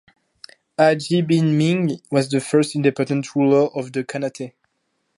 Hajji Bi Ming was the first independent ruler of the khanate.